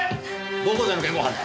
暴行罪の現行犯ね。